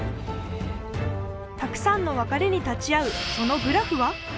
たくさんの別れに立ち会うそのグラフは？